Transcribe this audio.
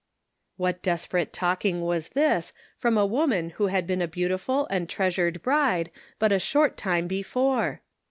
What desperate talking was this, from a woman who had been a beautiful and treasured bride but a short time before